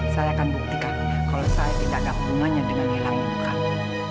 saya akan buktikan kalau saya tidak ada hubungannya dengan hilang ibu kamu